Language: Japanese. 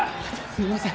すいません。